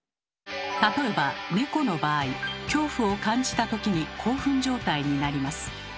例えばネコの場合恐怖を感じた時に興奮状態になります。